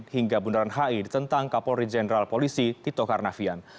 hingga bundaran hi ditentang kapolri jenderal polisi tito karnavian